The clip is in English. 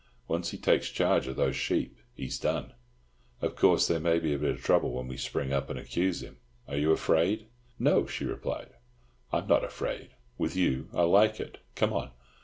Once he takes charge of those sheep he's done. Of course there may be a bit of trouble when we spring up and accuse him. Are you afraid?" "No," she replied. "I'm not afraid—with you. I like it. Come on."